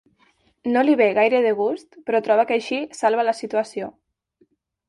No li ve gaire de gust, però troba que així salva la situació.